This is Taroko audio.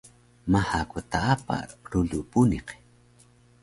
Maha ku taapa rulu puniq